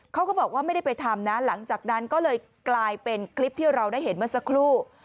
เขาก็บอกว่าไม่ได้ไปทำนะหลังจากนั้นก็เลยกลายเป็นคลิปที่เราได้เห็นเมื่อสักครู่